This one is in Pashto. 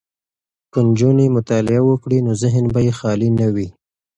که نجونې مطالعه وکړي نو ذهن به یې خالي نه وي.